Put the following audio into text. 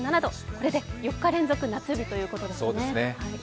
これで４日連続夏日ということですね。